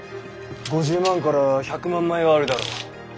５０万から１００万枚はあるだろう。